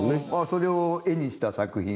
それを絵にした作品